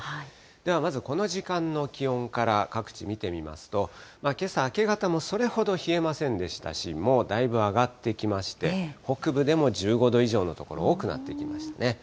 ではまず、この時間の気温から各地、見てみますと、けさ、明け方もそれほど冷えませんでしたし、もうだいぶ上がってきまして、北部でも１５度以上の所、多くなってきましたね。